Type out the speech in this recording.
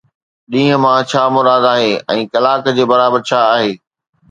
ڏينهن مان ڇا مراد آهي ۽ ڪلاڪ جي برابر ڇا آهي؟